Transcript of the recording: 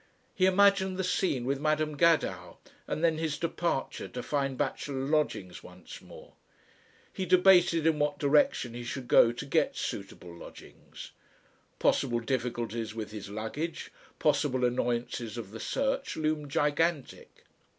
He imagined the scene with Madam Gadow, and then his departure to find bachelor lodgings once more. He debated in what direction he should go to get, suitable lodgings. Possible difficulties with his luggage, possible annoyances of the search loomed gigantic.